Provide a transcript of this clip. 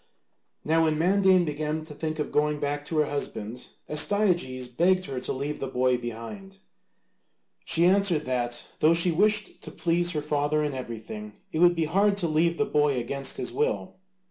Now when Mandane began to think of going back to her husband, Astyages begged her to leave the boy behind. She answered that though she wished to please her father in everything, it would be hard to leave the boy against his will.